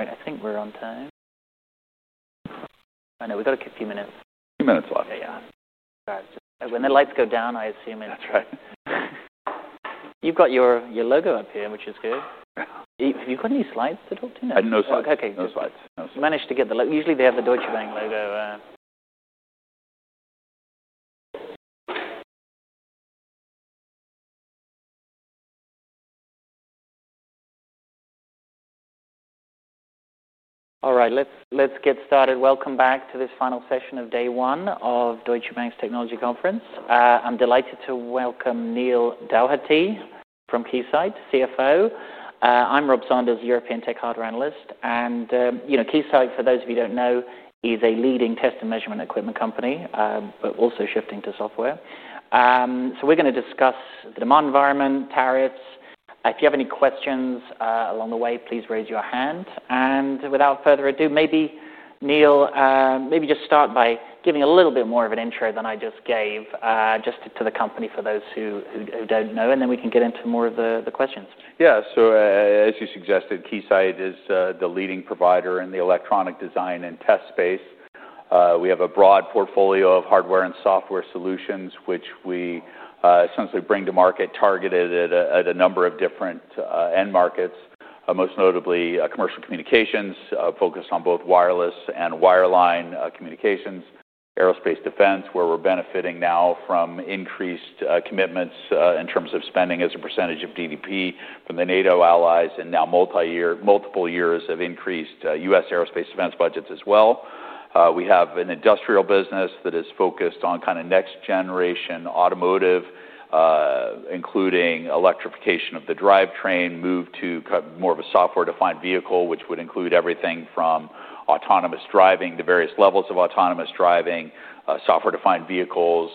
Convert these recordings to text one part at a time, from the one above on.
Right, I think we're on time. I know we've got a few minutes. Few minutes left. Yeah, yeah. Guys, when the lights go down, I assume it's. That's right. You've got your logo up here, which is good. Have you got any slides to talk to now? No slides. Okay, okay. No slides. You managed to get the—usually they have the Deutsche Bank logo. All right, let's get started. Welcome back to this final session of day one of Deutsche Bank's technology conference. I'm delighted to welcome Neil Dougherty from Keysight, CFO. I'm Rob Saunders, European tech hardware analyst. You know, Keysight, for those of you who don't know, is a leading test and measurement equipment company, but also shifting to software. We're going to discuss the demand environment, tariffs. If you have any questions along the way, please raise your hand. Without further ado, maybe Neil, maybe just start by giving a little bit more of an intro than I just gave, just to the company for those who don't know. Then we can get into more of the questions. Yeah, so as you suggested, Keysight is the leading provider in the electronic design and test space. We have a broad portfolio of hardware and software solutions, which we essentially bring to market targeted at a number of different end markets, most notably commercial communications, focused on both wireless and wireline communications, aerospace defense, where we're benefiting now from increased commitments in terms of spending as a percentage of GDP from the NATO allies and now multiple years of increased U.S. aerospace defense budgets as well. We have an industrial business that is focused on kind of next-generation automotive, including electrification of the drivetrain, move to more of a software-defined vehicle, which would include everything from autonomous driving to various levels of autonomous driving, software-defined vehicles,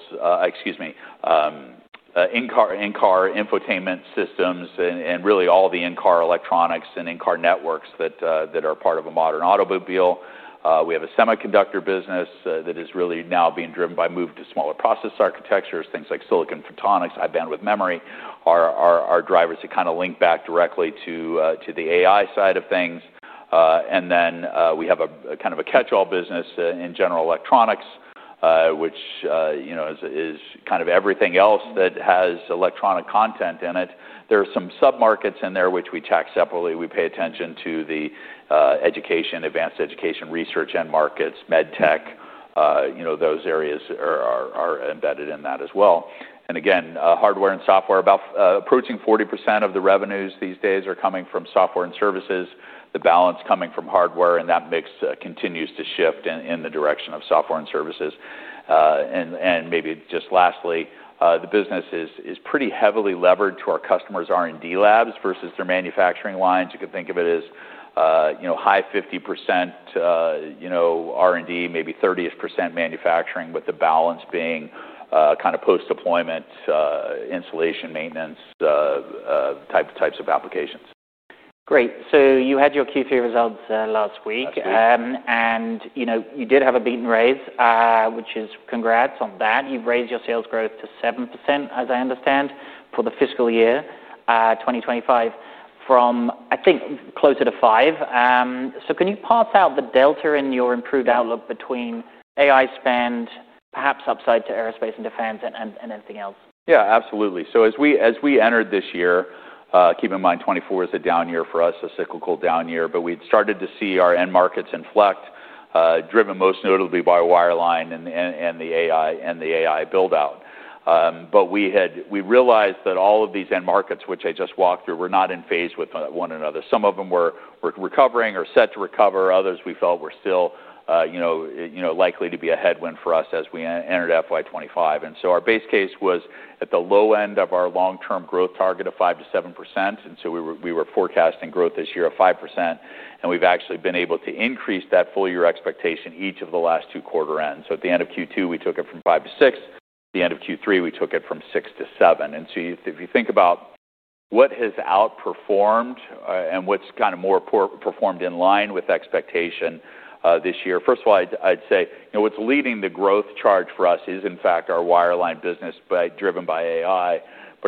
in-car infotainment systems, and really all the in-car electronics and in-car networks that are part of a modern automobile. We have a semiconductor business that is really now being driven by move to smaller process architectures, things like silicon photonics, high bandwidth memory, are drivers that kind of link back directly to the AI side of things. Then we have a kind of a catch-all business in general electronics, which, you know, is kind of everything else that has electronic content in it. There are some submarkets in there, which we tack separately. We pay attention to the education, advanced education, research end markets, med tech. Those areas are embedded in that as well. Again, hardware and software, about approaching 40% of the revenues these days are coming from software and services. The balance coming from hardware and that mix continues to shift in the direction of software and services. Maybe just lastly, the business is pretty heavily levered to our customers' R&D labs versus their manufacturing lines. You can think of it as high 50% R&D, maybe 30% manufacturing, with the balance being kind of post-deployment, installation, maintenance types of applications. Great, you had your Q3 results last week. Yes. You did have a beaten race, which is congrats on that. You raised your sales growth to 7% for the fiscal year 2025, from I think closer to 5%. Can you pass out the delta in your improved outlook between AI spend, perhaps upside to aerospace defense, and anything else? Yeah, absolutely. As we entered this year, keep in mind 2024 is a down year for us, a cyclical down year, but we'd started to see our end markets inflect, driven most notably by wireline and the AI buildout. We realized that all of these end markets, which I just walked through, were not in phase with one another. Some of them were recovering or set to recover. Others we felt were still likely to be a headwind for us as we entered FY 2025. Our base case was at the low end of our long-term growth target of 5%-7%. We were forecasting growth this year of 5%. We've actually been able to increase that full-year expectation each of the last two quarter ends. At the end of Q2, we took it from 5% to 6%. At the end of Q3, we took it from 6% to 7%. If you think about what has outperformed and what's kind of more performed in line with expectation this year, first of all, I'd say what's leading the growth charge for us is, in fact, our wireline business driven by AI.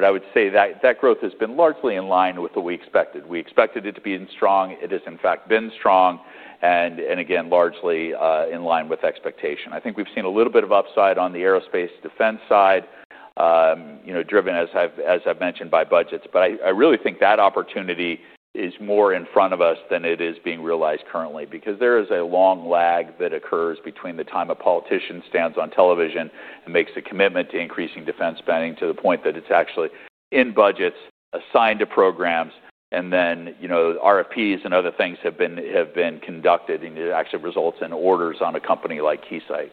I would say that growth has been largely in line with what we expected. We expected it to be strong. It has, in fact, been strong and, again, largely in line with expectation. I think we've seen a little bit of upside on the aerospace defense side, driven, as I've mentioned, by budgets. I really think that opportunity is more in front of us than it is being realized currently because there is a long lag that occurs between the time a politician stands on television and makes a commitment to increasing defense spending to the point that it's actually in budgets, assigned to programs, and then RFPs and other things have been conducted and it actually results in orders on a company like Keysight.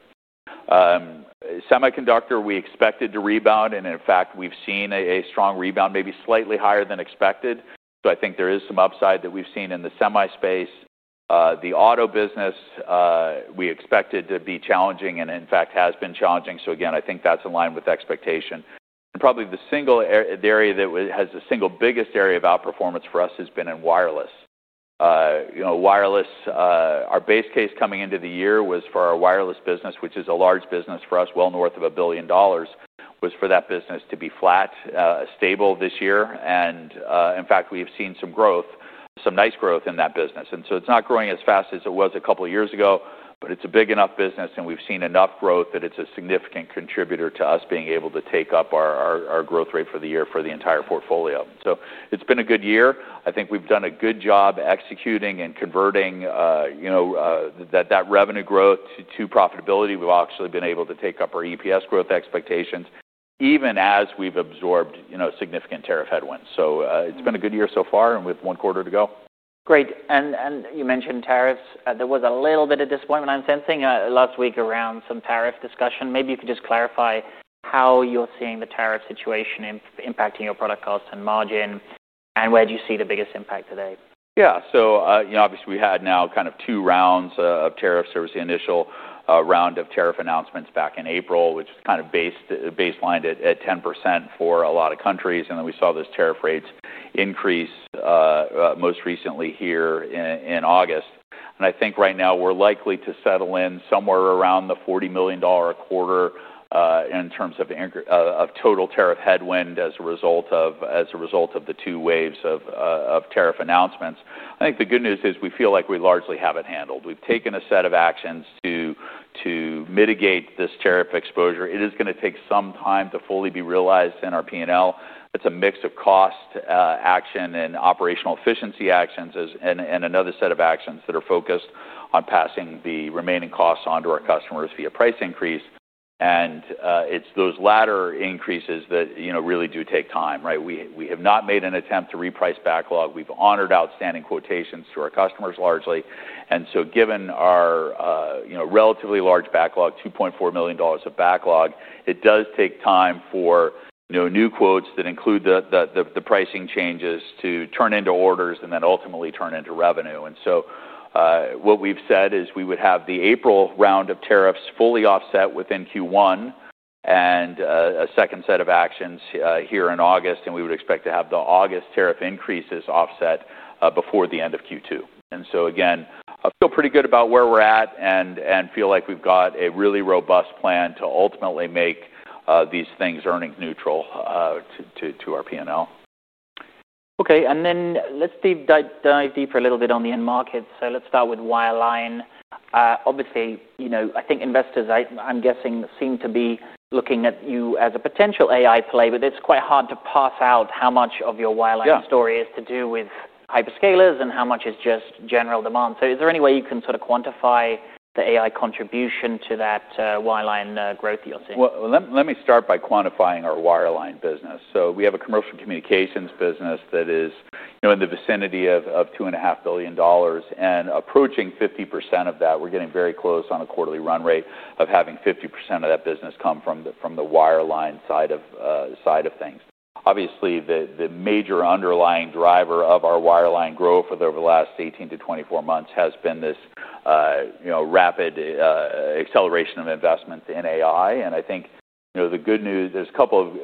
Semiconductor, we expected to rebound and, in fact, we've seen a strong rebound, maybe slightly higher than expected. I think there is some upside that we've seen in the semi space. The auto business, we expected to be challenging and, in fact, has been challenging. I think that's in line with expectation. Probably the single area that has the single biggest area of outperformance for us has been in wireless. Wireless, our base case coming into the year was for our wireless business, which is a large business for us, well north of $1 billion, was for that business to be flat, stable this year. In fact, we have seen some growth, some nice growth in that business. It's not growing as fast as it was a couple of years ago, but it's a big enough business and we've seen enough growth that it's a significant contributor to us being able to take up our growth rate for the year for the entire portfolio. It's been a good year. I think we've done a good job executing and converting that revenue growth to profitability. We've actually been able to take up our EPS growth expectations, even as we've absorbed significant tariff headwinds. It's been a good year so far with one quarter to go. Great. You mentioned tariffs. There was a little bit of disappointment I'm sensing last week around some tariff discussion. Maybe you could just clarify how you're seeing the tariff situation impacting your product cost and margin, and where do you see the biggest impact today? Yeah, so, obviously we had now kind of two rounds of tariffs. There was the initial round of tariff announcements back in April, which was kind of baselined at 10% for a lot of countries. We saw those tariff rates increase most recently here in August. I think right now we're likely to settle in somewhere around the $40 million a quarter in terms of total tariff headwind as a result of the two waves of tariff announcements. The good news is we feel like we largely have it handled. We've taken a set of actions to mitigate this tariff exposure. It is going to take some time to fully be realized in our P&L. It's a mix of cost action and operational efficiency actions and another set of actions that are focused on passing the remaining costs onto our customers via price increase. It's those latter increases that really do take time, right? We have not made an attempt to reprice backlog. We've honored outstanding quotations to our customers largely. Given our relatively large backlog, $2.4 million of backlog, it does take time for new quotes that include the pricing changes to turn into orders and then ultimately turn into revenue. What we've said is we would have the April round of tariffs fully offset within Q1 and a second set of actions here in August. We would expect to have the August tariff increases offset before the end of Q2. I feel pretty good about where we're at and feel like we've got a really robust plan to ultimately make these things earnings neutral to our P&L. Okay, let's dive deeper a little bit on the end markets. Let's start with wireline. Obviously, I think investors, I'm guessing, seem to be looking at you as a potential AI play, but it's quite hard to parse out how much of your wireline story is to do with hyperscalers and how much is just general demand. Is there any way you can sort of quantify the AI contribution to that wireline growth that you're seeing? Let me start by quantifying our wireline business. We have a commercial communications business that is in the vicinity of $2.5 billion and approaching 50% of that. We're getting very close on a quarterly run-rate of having 50% of that business come from the wireline side of things. Obviously, the major underlying driver of our wireline growth over the last 18 to 24 months has been this rapid acceleration of investment in AI. I think the good news, there's a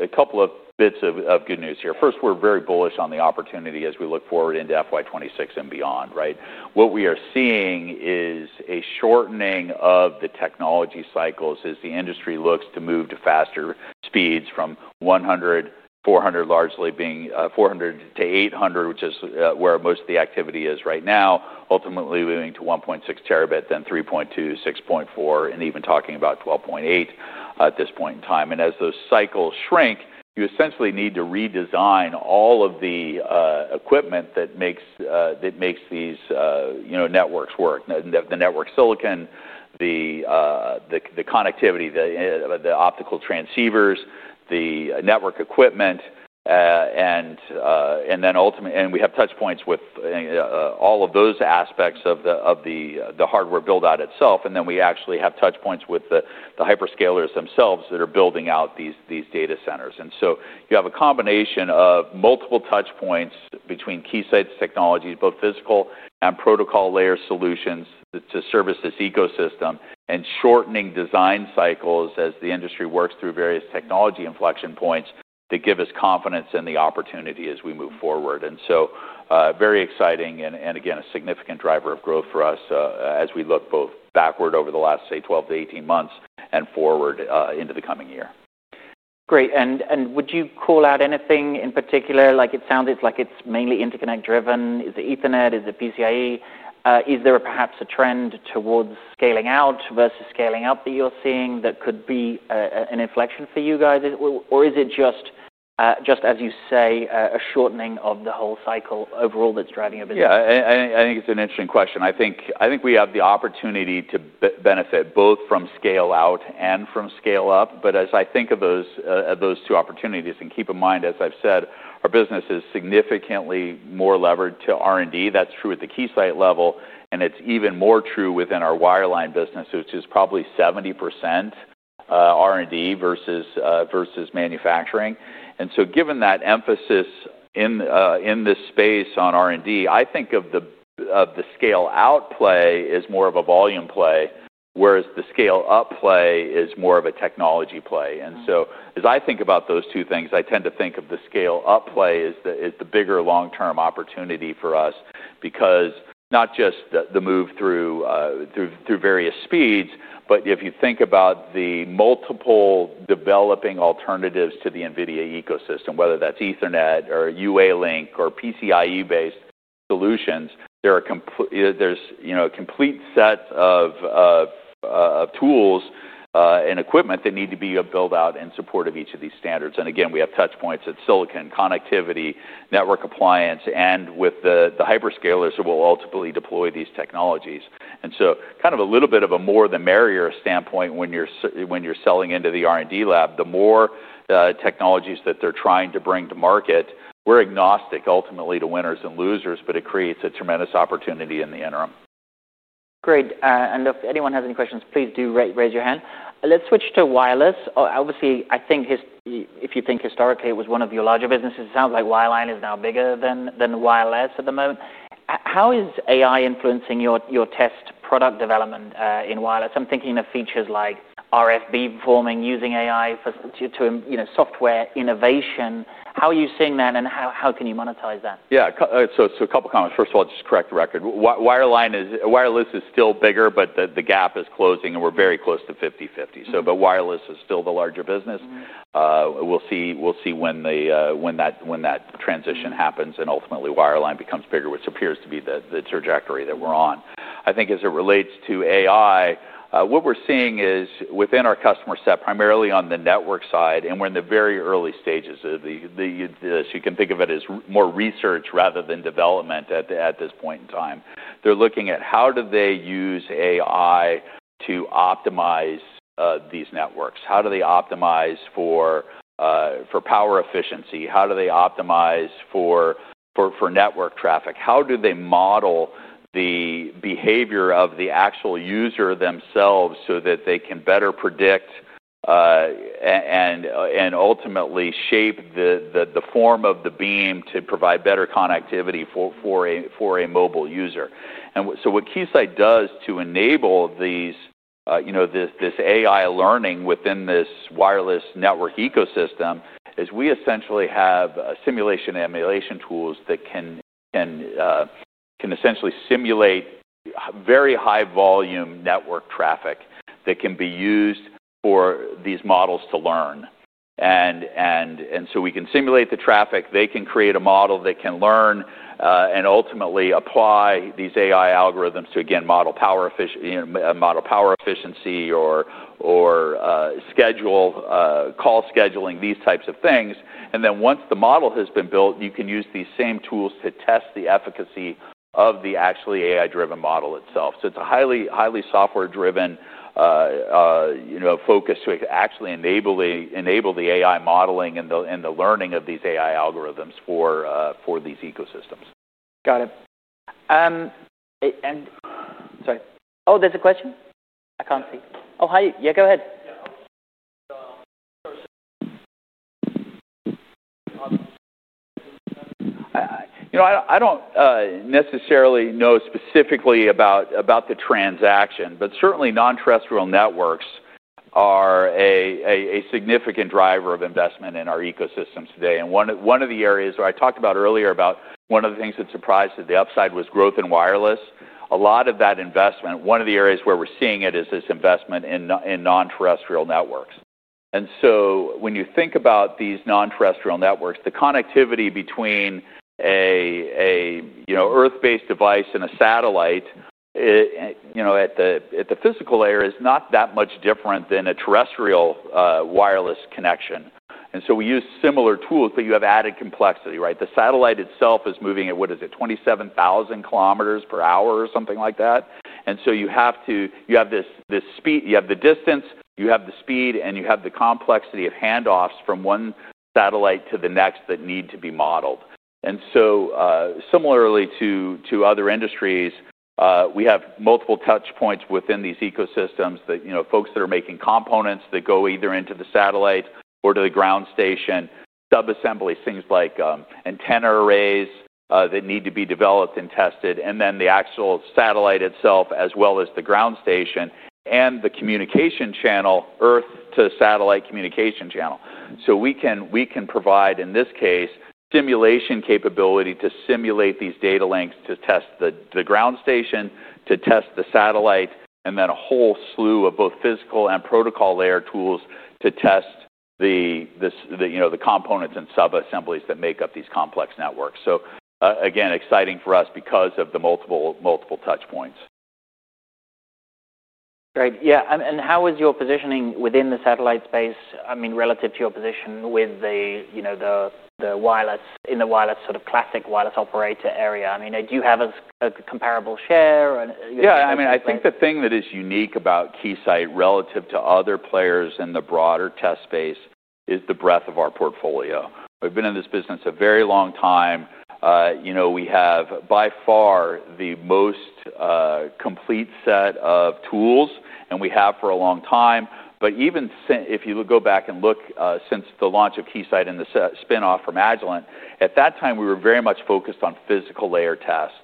couple of bits of good news here. First, we're very bullish on the opportunity as we look forward into FY 2026 and beyond, right? What we are seeing is a shortening of the technology cycles as the industry looks to move to faster speeds from 100, 400, largely being 400-800, which is where most of the activity is right now, ultimately moving to 1.6 Tb, then 3.2 Tb 6.4Tb, and even talking about 12.8 Tb at this point in time. As those cycles shrink, you essentially need to redesign all of the equipment that makes these networks work. The network silicon, the connectivity, the optical transceivers, the network equipment, and then ultimately, we have touchpoints with all of those aspects of the hardware buildout itself. We actually have touchpoints with the hyperscalers themselves that are building out these data centers. You have a combination of multiple touchpoints between Keysight Technologies' physical and protocol layer solutions to service this ecosystem, and shortening design cycles as the industry works through various technology inflection points that give us confidence in the opportunity as we move forward. This is very exciting and, again, a significant driver of growth for us as we look both backward over the last, say, 12 to 18 months and forward into the coming year. Great. Would you call out anything in particular? It sounded like it's mainly interconnect driven. Is it Ethernet? Is it PCIe? Is there perhaps a trend towards scaling out versus scaling up that you're seeing that could be an inflection for you guys? Is it just, just as you say, a shortening of the whole cycle overall that's driving your business? Yeah, I think it's an interesting question. I think we have the opportunity to benefit both from scale out and from scale up. As I think of those two opportunities, and keep in mind, as I've said, our business is significantly more levered to R&D. That's true at the Keysight level, and it's even more true within our wireline business, which is probably 70% R&D versus manufacturing. Given that emphasis in this space on R&D, I think of the scale out play as more of a volume play, whereas the scale up play is more of a technology play. As I think about those two things, I tend to think of the scale up play as the bigger long-term opportunity for us because not just the move through various speeds, but if you think about the multiple developing alternatives to the NVIDIA ecosystem, whether that's Ethernet or UALink or PCIe-based solutions, there's a complete set of tools and equipment that need to be built out in support of each of these standards. We have touchpoints at silicon, connectivity, network appliance, and with the hyperscalers who will ultimately deploy these technologies. It's kind of a little bit of a more the merrier standpoint when you're selling into the R&D lab. The more technologies that they're trying to bring to market, we're agnostic ultimately to winners and losers, but it creates a tremendous opportunity in the interim. Great. If anyone has any questions, please do raise your hand. Let's switch to wireless. Obviously, I think if you think historically it was one of your larger businesses, it sounds like wireline is now bigger than wireless at the moment. How is AI influencing your test product development in wireless? I'm thinking of features like RF performing, using AI to software innovation. How are you seeing that and how can you monetize that? Yeah, so a couple of comments. First of all, just to correct the record, wireless is still bigger, but the gap is closing and we're very close to 50/50. Wireless is still the larger business. We'll see when that transition happens and ultimately wireline becomes bigger, which appears to be the trajectory that we're on. I think as it relates to AI, what we're seeing is within our customer set, primarily on the network side, and we're in the very early stages of this. You can think of it as more research rather than development at this point in time. They're looking at how do they use AI to optimize these networks? How do they optimize for power efficiency? How do they optimize for network traffic? How do they model the behavior of the actual user themselves so that they can better predict and ultimately shape the form of the beam to provide better connectivity for a mobile user? What Keysight does to enable this AI learning within this wireless network ecosystem is we essentially have simulation and emulation tools that can simulate very high volume network traffic that can be used for these models to learn. We can simulate the traffic, they can create a model that can learn and ultimately apply these AI algorithms to, again, model power efficiency or call scheduling, these types of things. Once the model has been built, you can use these same tools to test the efficacy of the actual AI-driven model itself. It's a highly software-driven focus to actually enable the AI modeling and the learning of these AI algorithms for these ecosystems. Got it. Sorry, there's a question. I can't see. Oh, hi. Yeah, go ahead. I don't necessarily know specifically about the transaction, but certainly non-terrestrial networks are a significant driver of investment in our ecosystems today. One of the areas where I talked about earlier that surprised to the upside was growth in wireless. A lot of that investment, one of the areas where we're seeing it, is this investment in non-terrestrial networks. When you think about these non-terrestrial networks, the connectivity between an earth-based device and a satellite at the physical layer is not that much different than a terrestrial wireless connection. We use similar tools, but you have added complexity, right? The satellite itself is moving at, what is it, 27,000 kph or something like that. You have this speed, you have the distance, and you have the complexity of handoffs from one satellite to the next that need to be modeled. Similarly to other industries, we have multiple touchpoints within these ecosystems. Folks that are making components that go either into the satellite or to the ground station, subassemblies, things like antenna arrays that need to be developed and tested, and then the actual satellite itself, as well as the ground station and the communication channel, earth to satellite communication channel. We can provide, in this case, simulation capability to simulate these data links to test the ground station, to test the satellite, and then a whole slew of both physical and protocol layer tools to test the components and subassemblies that make up these complex networks. This is exciting for us because of the multiple touchpoints. Right, yeah. How is your positioning within the satellite space, I mean, relative to your position in the wireless, in the wireless sort of classic wireless operator area? Do you have a comparable share? Yeah, I mean, I think the thing that is unique about Keysight relative to other players in the broader test space is the breadth of our portfolio. We've been in this business a very long time. We have by far the most complete set of tools and we have for a long time. Even if you go back and look since the launch of Keysight and the spin-off from Agilent, at that time we were very much focused on physical layer test.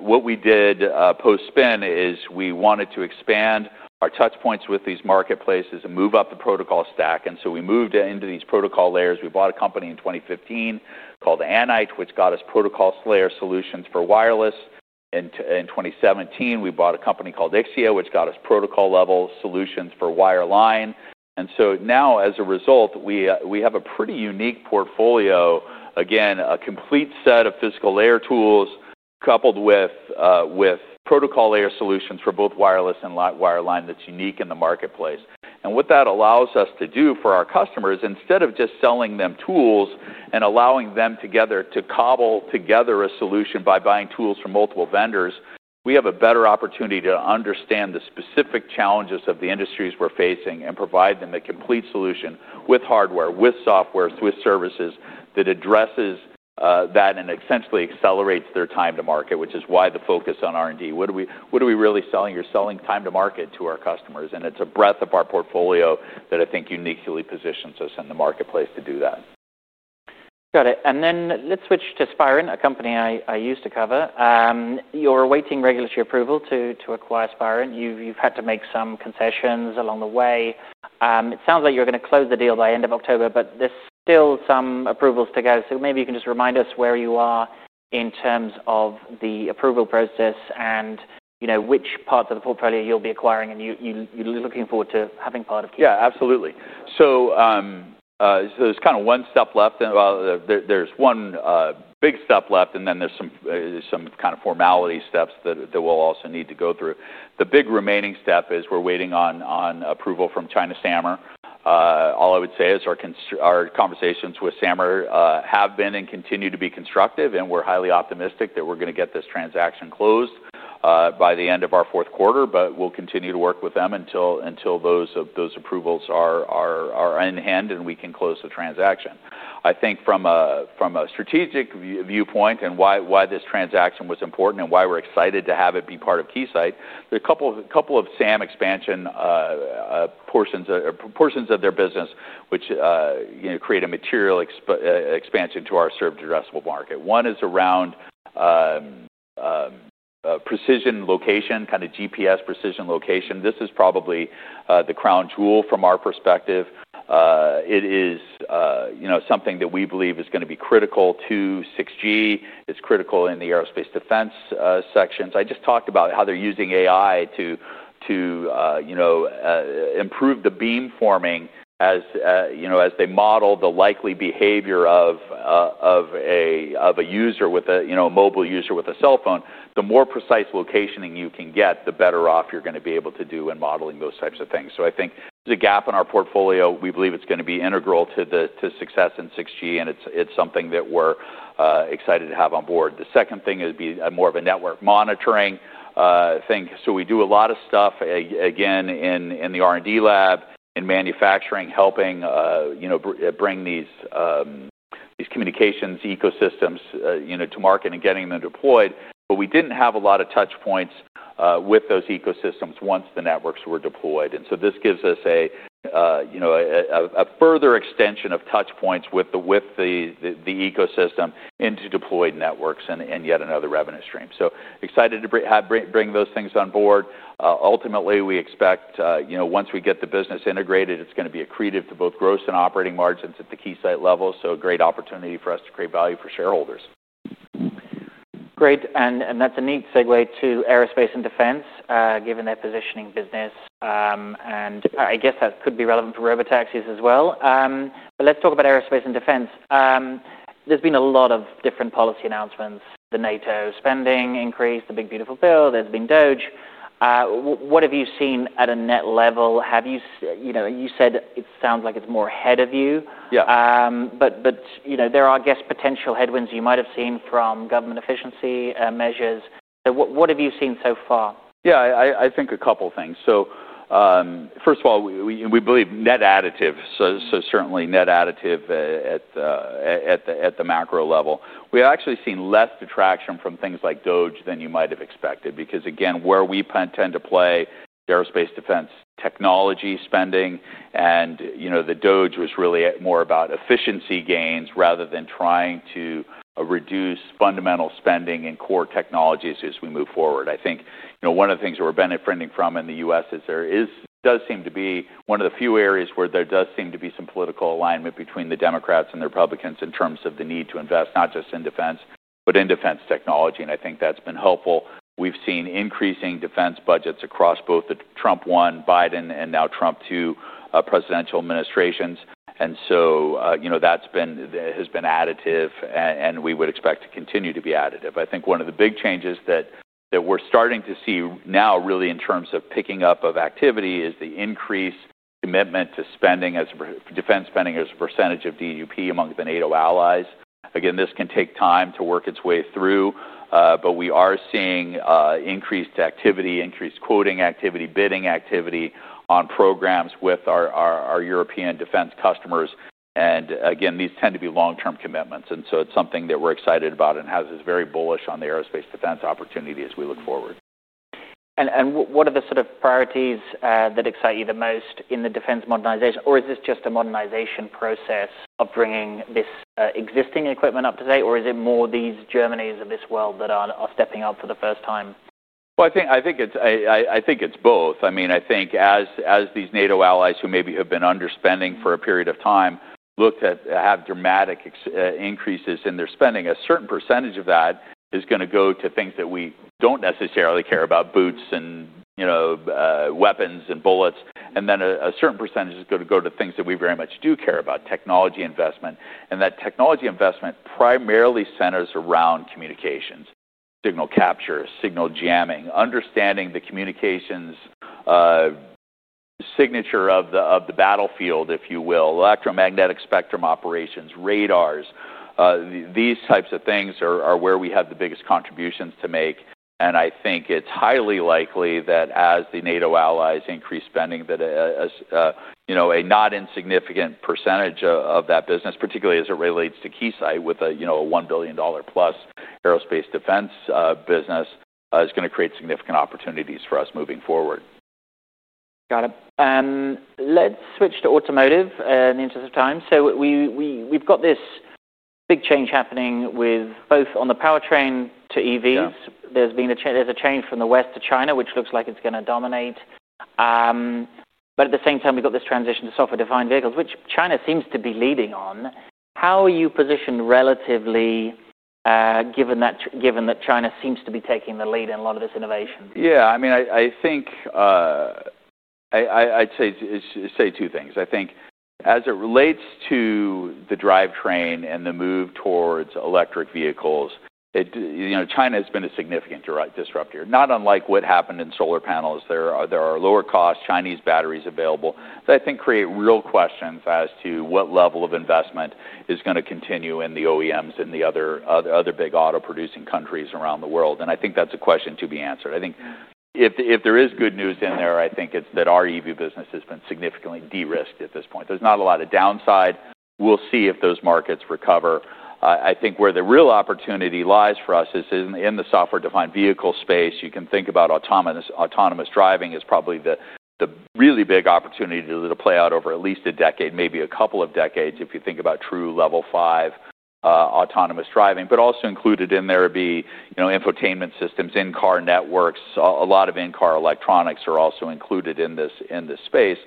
What we did post-spin is we wanted to expand our touchpoints with these marketplaces and move up the protocol stack. We moved into these protocol layers. We bought a company in 2015 called Anite, which got us protocol layer solutions for wireless. In 2017, we bought a company called Ixia, which got us protocol level solutions for wireline. As a result, we have a pretty unique portfolio, again, a complete set of physical layer tools coupled with protocol layer solutions for both wireless and wireline that's unique in the marketplace. What that allows us to do for our customers, instead of just selling them tools and allowing them together to cobble together a solution by buying tools from multiple vendors, we have a better opportunity to understand the specific challenges of the industries we're facing and provide them the complete solution with hardware, with software, with services that addresses that and essentially accelerates their time to market, which is why the focus on R&D. What are we really selling? You're selling time to market to our customers. It's a breadth of our portfolio that I think uniquely positions us in the marketplace to do that. Got it. Let's switch to Spirent, a company I used to cover. You're awaiting regulatory approval to acquire Spirent. You've had to make some concessions along the way. It sounds like you're going to close the deal by the end of October, but there's still some approvals to go. Maybe you can just remind us where you are in terms of the approval process and which part of the portfolio you'll be acquiring and you're looking forward to having part of. Yeah, absolutely. There's kind of one step left, and there's one big step left, and then there are some kind of formality steps that we'll also need to go through. The big remaining step is we're waiting on approval from China SAMR. All I would say is our conversations with SAMR have been and continue to be constructive, and we're highly optimistic that we're going to get this transaction closed by the end of our fourth quarter. We'll continue to work with them until those approvals are in hand and we can close the transaction. I think from a strategic viewpoint and why this transaction was important and why we're excited to have it be part of Keysight, there are a couple of SAM expansion portions of their business, which create a material expansion to our served addressable market. One is around precision location, kind of GPS precision location. This is probably the crown jewel from our perspective. It is something that we believe is going to be critical to 6G. It's critical in the aerospace defense sections. I just talked about how they're using AI to improve the beam forming as they model the likely behavior of a user with a mobile user with a cell phone. The more precise location you can get, the better off you're going to be able to do in modeling those types of things. I think there's a gap in our portfolio. We believe it's going to be integral to success in 6G, and it's something that we're excited to have on board. The second thing would be more of a network monitoring thing. We do a lot of stuff, again, in the R&D labs, in manufacturing, helping bring these communications ecosystems to market and getting them deployed. We didn't have a lot of touchpoints with those ecosystems once the networks were deployed. This gives us a further extension of touchpoints with the ecosystem into deployed networks and yet another revenue stream. Excited to have those things on board. Ultimately, we expect once we get the business integrated, it's going to be accretive to both gross and operating margins at the Keysight level. A great opportunity for us to create value for shareholders. Great. That's a neat segue to aerospace defense, given their positioning business. I guess that could be relevant for robotaxis as well. Let's talk about aerospace defense. There's been a lot of different policy announcements. The NATO spending increased, the big beautiful bill. There's been DOGE. What have you seen at a net level? You said it sounds like it's more ahead of you. Yeah. There are, I guess, potential headwinds you might have seen from government efficiency measures. What have you seen so far? Yeah, I think a couple of things. First of all, we believe net additive. Certainly net additive at the macro level. We have actually seen less detraction from things like DOGE than you might have expected because, again, where we tend to play, aerospace defense technology spending, and the DOGE was really more about efficiency gains rather than trying to reduce fundamental spending in core technologies as we move forward. I think one of the things that we're benefiting from in the U.S. is there does seem to be one of the few areas where there does seem to be some political alignment between the Democrats and the Republicans in terms of the need to invest not just in defense, but in defense technology. I think that's been helpful. We've seen increasing defense budgets across both the Trump 1, Biden, and now Trump 2 presidential administrations. That has been additive and we would expect to continue to be additive. One of the big changes that we're starting to see now in terms of picking up activity is the increased commitment to spending as defense spending as a percentage of GDP among the NATO allies. This can take time to work its way through, but we are seeing increased activity, increased quoting activity, bidding activity on programs with our European defense customers. These tend to be long-term commitments. It's something that we're excited about and has us very bullish on the aerospace defense opportunity as we look forward. What are the sort of priorities that excite you the most in the defense modernization? Is this just a modernization process of bringing this existing equipment up to date, or is it more these Germanies of this world that are stepping up for the first time? I think it's both. I mean, I think as these NATO allies who maybe have been underspending for a period of time look to have dramatic increases in their spending, a certain percentage of that is going to go to things that we don't necessarily care about, boots and, you know, weapons and bullets. A certain percent is going to go to things that we very much do care about, technology investment. That technology investment primarily centers around communications, signal capture, signal jamming, understanding the communications signature of the battlefield, if you will, electromagnetic spectrum operations, radars. These types of things are where we have the biggest contributions to make. I think it's highly likely that as the NATO allies increase spending, a not insignificant percentage of that business, particularly as it relates to Keysight with a $1 billion plus aerospace defense business, is going to create significant opportunities for us moving forward. Got it. Let's switch to automotive in the interest of time. We've got this big change happening with both on the powertrain to EVs. There's a change from the West to China, which looks like it's going to dominate. At the same time, we've got this transition to software-defined vehicles, which China seems to be leading on. How are you positioned relatively given that China seems to be taking the lead in a lot of this innovation? Yeah, I mean, I think I'd say two things. As it relates to the drivetrain and the move towards electric vehicles, China has been a significant disruptor, not unlike what happened in solar panels. There are lower cost Chinese batteries available. I think it creates real questions as to what level of investment is going to continue in the OEMs and the other big auto producing countries around the world. That's a question to be answered. If there is good news in there, it's that our EV business has been significantly de-risked at this point. There's not a lot of downside. We'll see if those markets recover. Where the real opportunity lies for us is in the software-defined vehicle space. You can think about autonomous driving as probably the really big opportunity to play out over at least a decade, maybe a couple of decades if you think about true level five autonomous driving. Also included in there would be infotainment systems, in-car networks, a lot of in-car electronics are also included in this space.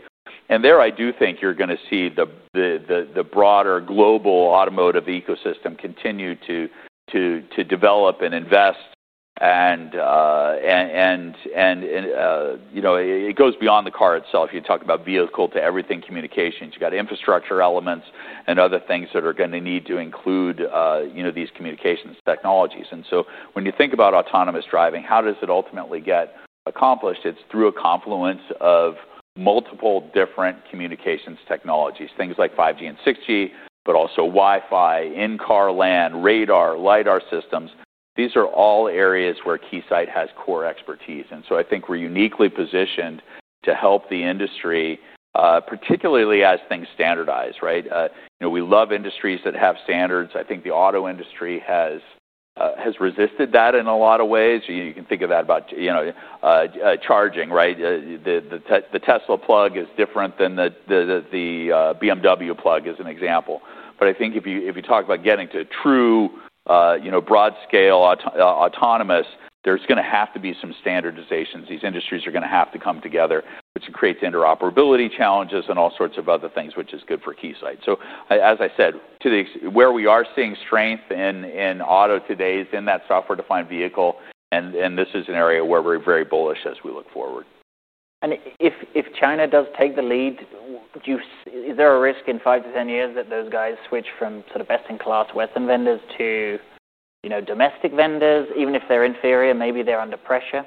I do think you're going to see the broader global automotive ecosystem continue to develop and invest. It goes beyond the car itself. You talk about vehicle to everything communications. You've got infrastructure elements and other things that are going to need to include these communications technologies. When you think about autonomous driving, how does it ultimately get accomplished? It's through a confluence of multiple different communications technologies, things like 5G and 6G, but also Wi-Fi, in-car LAN, radar, LIDAR systems. These are all areas where Keysight has core expertise. I think we're uniquely positioned to help the industry, particularly as things standardize, right? We love industries that have standards. The auto industry has resisted that in a lot of ways. You can think of that about charging, right? The Tesla plug is different than the BMW plug as an example. If you talk about getting to true broad scale autonomous, there's going to have to be some standardizations. These industries are going to have to come together, which creates interoperability challenges and all sorts of other things, which is good for Keysight. As I said, where we are seeing strength in auto today is in that software-defined vehicle. This is an area where we're very bullish as we look forward. If China does take the lead, do you see is there a risk in five to ten years that those guys switch from sort of best-in-class Western vendors to, you know, domestic vendors, even if they're inferior, maybe they're under pressure?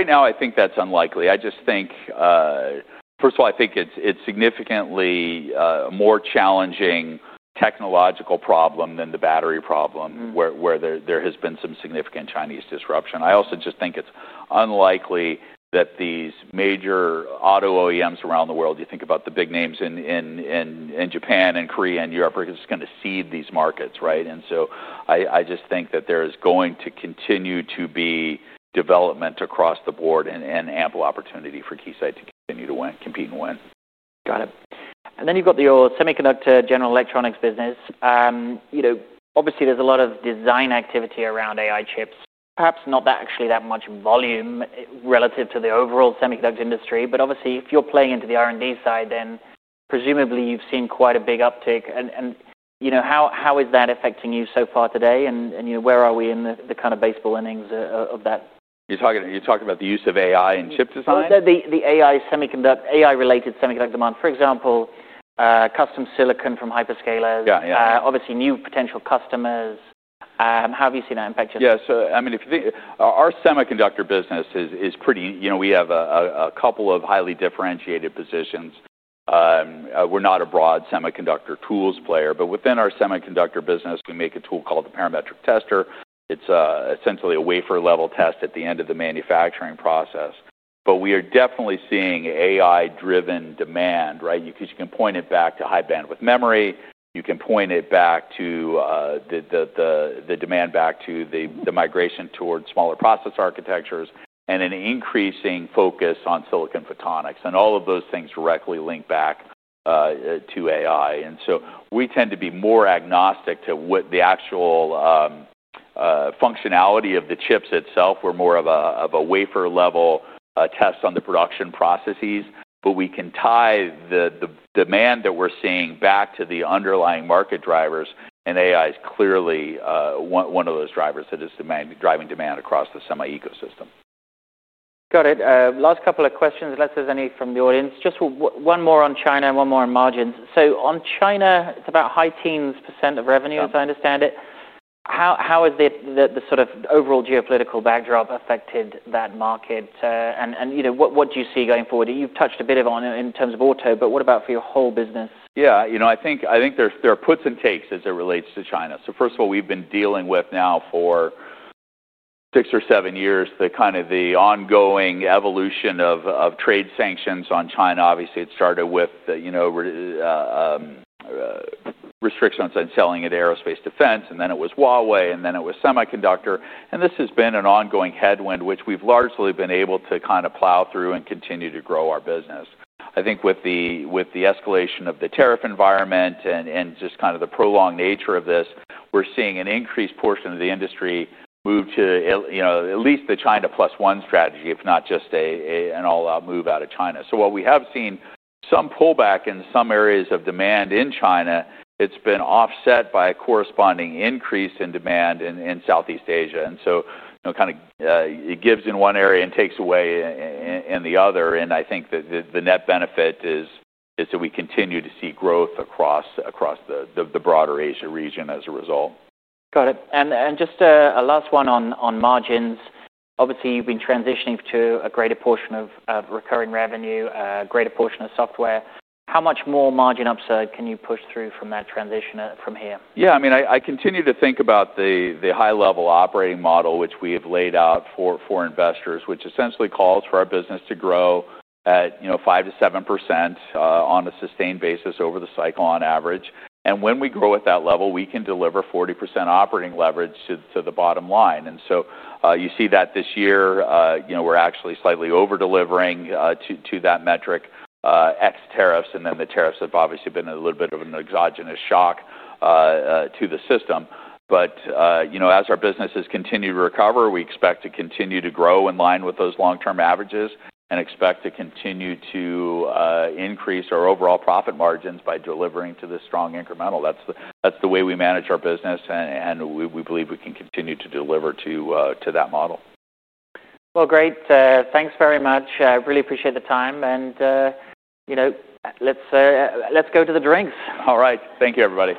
Right now I think that's unlikely. I just think, first of all, it's significantly a more challenging technological problem than the battery problem where there has been some significant Chinese disruption. I also just think it's unlikely that these major auto OEMs around the world, you think about the big names in Japan, Korea, and Europe, are just going to cede these markets, right? I just think that there is going to continue to be development across the board and ample opportunity for Keysight to continue to compete and win. Got it. You've got your semiconductor general electronics business. Obviously, there's a lot of design activity around AI chips, perhaps not actually that much volume relative to the overall semiconductor industry, but if you're playing into the R&D side, then presumably you've seen quite a big uptick. How is that affecting you so far today? Where are we in the kind of baseball innings of that? You're talking about the use of AI in chip design? The AI-related semiconductor demand, for example, custom silicon from hyperscalers, obviously new potential customers. How have you seen that impact your? Yeah, so I mean, if you think our semiconductor business is pretty, you know, we have a couple of highly differentiated positions. We're not a broad semiconductor tools player, but within our semiconductor business, we make a tool called the parametric tester. It's essentially a wafer level test at the end of the manufacturing process. We are definitely seeing AI-driven demand, right? You can point it back to high bandwidth memory. You can point it back to the demand back to the migration towards smaller process architectures and an increasing focus on silicon photonics. All of those things directly link back to AI. We tend to be more agnostic to what the actual functionality of the chips itself. We're more of a wafer level test on the production processes. We can tie the demand that we're seeing back to the underlying market drivers. AI is clearly one of those drivers that is driving demand across the semi-ecosystem. Got it. Last couple of questions, unless there's any from the audience. Just one more on China and one more on margins. On China, it's about high teens percent of revenue, as I understand it. How has the sort of overall geopolitical backdrop affected that market? What do you see going forward? You've touched a bit on in terms of auto, but what about for your whole business? Yeah, you know, I think there are puts and takes as it relates to China. First of all, we've been dealing with now for six or seven years the ongoing evolution of trade sanctions on China. Obviously, it started with the restriction on selling at aerospace defense. Then it was Huawei. Then it was semiconductor. This has been an ongoing headwind, which we've largely been able to plow through and continue to grow our business. I think with the escalation of the tariff environment and just the prolonged nature of this, we're seeing an increased portion of the industry move to at least the China Plus one strategy, if not just an all-out move out of China. While we have seen some pullback in some areas of demand in China, it's been offset by a corresponding increase in demand in Southeast Asia. It gives in one area and takes away in the other. I think that the net benefit is that we continue to see growth across the broader Asia region as a result. Got it. Just a last one on margins. Obviously, you've been transitioning to a greater portion of recurring revenue, a greater portion of software. How much more margin upside can you push through from that transition from here? Yeah, I mean, I continue to think about the high-level operating model, which we have laid out for investors, which essentially calls for our business to grow at, you know, 5% to 7% on a sustained basis over the cycle on average. When we grow at that level, we can deliver 40% operating leverage to the bottom line. You see that this year, we're actually slightly over-delivering to that metric, ex-tariffs, and the tariffs have obviously been a little bit of an exogenous shock to the system. As our business has continued to recover, we expect to continue to grow in line with those long-term averages and expect to continue to increase our overall profit margins by delivering to this strong incremental. That's the way we manage our business, and we believe we can continue to deliver to that model. Thank you very much. I really appreciate the time. Let's go to the drinks. All right, thank you very much.